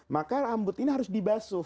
maka rambut ini harus dibasuh